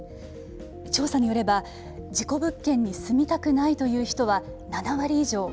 調査によれば、事故物件に住みたくないという人は７割以上。